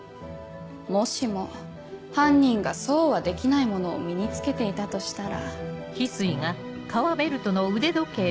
もしも犯人がそうはできないものを身に着けていたとしたら。